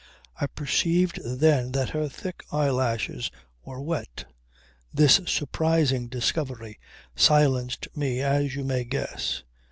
I perceived then that her thick eyelashes were wet. This surprising discovery silenced me as you may guess.